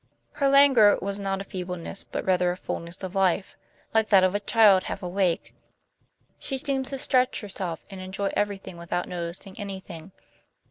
Her languor was not a feebleness but rather a fullness of life, like that of a child half awake; she seemed to stretch herself and enjoy everything without noticing anything.